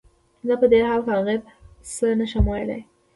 زه په دې هکله هغې ته څه نه شم ويلی